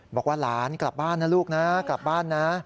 บอกว่าหลานกลับบ้านนะลูกนะกลับบ้านนะ